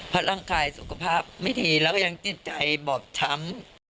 เพราะร่างกายสุขภาพไม่ดีแล้วก็ยังจิตใจบอบช้ำ